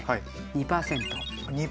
２％。